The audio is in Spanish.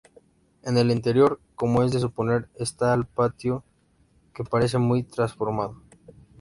En el interior, como es de suponer, esta el patio que aparece muy transformado.